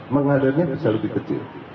mengalirnya bisa lebih kecil